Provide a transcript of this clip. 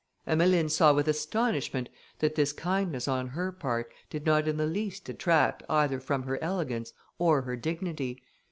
Emmeline saw with astonishment that this kindness on her part did not in the least detract either from her elegance or her dignity.